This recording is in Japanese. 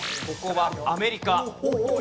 ここはアメリカ。